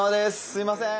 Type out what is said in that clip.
すみません！